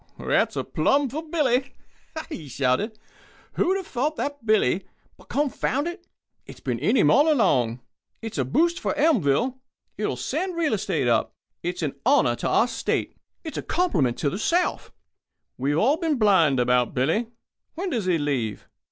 "That's a plum for Billy," he shouted. "Who'd have thought that Billy but, confound it, it's been in him all the time. It's a boost for Elmville. It'll send real estate up. It's an honour to our state. It's a compliment to the South. We've all been blind about Billy. When does he leave?